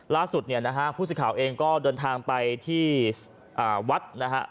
ล่าสุดผู้เสียข่าวเองก็เดินทางไปที่วัดนะครับ